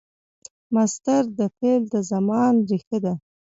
مصدر د فعل د زمان ریښه ده.